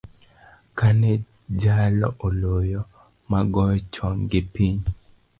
Kane jalo oloyo, magoyo chonggi piny.